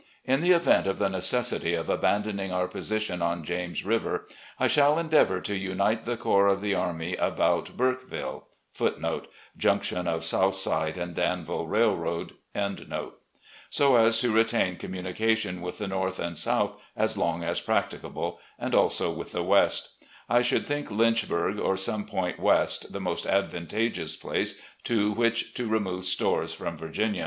In the event of the necessity of abandoning our position on James River, I shall endeavour to unite the corps of the army about Burkeville*, so as to retain communication with the North and South as long as practicable, and also with the West. I should think Lynchburg, or some point west, the most advantageous place to which to remove stores from Richmond.